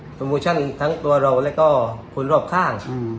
โมชั่นทั้งตัวเราแล้วก็คนรอบข้าง